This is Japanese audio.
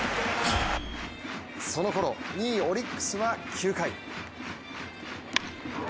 そのころ２位・オリックスは９回。